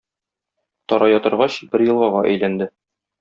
Тарая торгач, бер елгага әйләнде.